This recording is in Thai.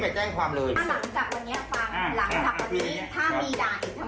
ถ้ามีด่าอีกทำอะไรไว้น้อง